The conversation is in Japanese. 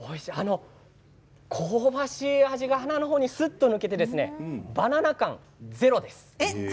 香ばしい味が花のようにすっと抜けてバナナ感、ゼロです。